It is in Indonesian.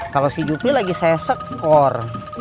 kalau si jukmi lagi saya sekor